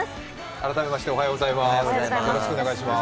改めまして、おはようございます。